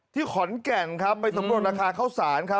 ที่ขอนแก่งครับคือราคาข้าวสารครับ